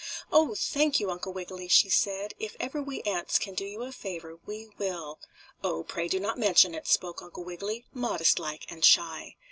"Oh, thank you, Uncle Wiggily," she said. "If ever we ants can do you a favor we will." "Oh, pray do not mention it," spoke Uncle Wiggily, modest like and shy.